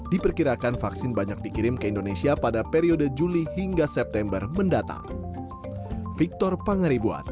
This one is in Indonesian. diperkirakan vaksin banyak dikirim ke indonesia pada periode juli hingga september mendatang